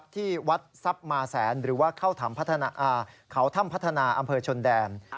ที่วัดทรัพย์มาแสนหรือว่าเข้าเขาถ้ำพัฒนาอำเภอชนแดน